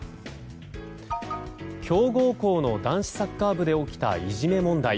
強豪校の男子サッカー部で起きた、いじめ問題。